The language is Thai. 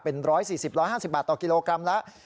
เป็น๑๔๐๑๕๐บาทต่อกิโลกรัมแล้ว